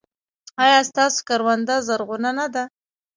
ایا ستاسو کرونده زرغونه نه ده؟